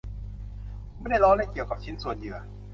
คุณไม่ได้ล้อเล่นเกี่ยวกับชิ้นส่วนเหยื่อ